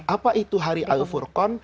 apa itu hari al furqan